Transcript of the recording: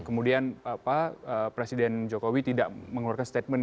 kemudian presiden jokowi tidak mengeluarkan statement